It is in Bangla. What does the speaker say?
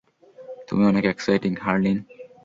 তুমি অনেক এক্সাইটিং, হারলিন!